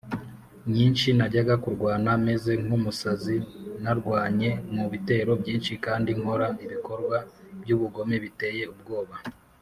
nyinshi najyaga kurwana meze nk umusazi Narwanye mu bitero byinshi kandi nkora ibikorwa by ubugome biteye ubwoba